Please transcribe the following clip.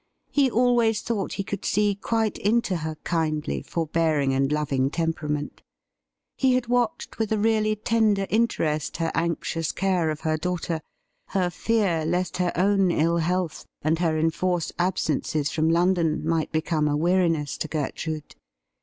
He always thought he could see quite into her kindly, forbearing, and loving temperament. He had watched with a really tender interest her anxious care of her daughter — ^her fear lest her own ill health and her enforced absences from London might become a weariness to Gertrude.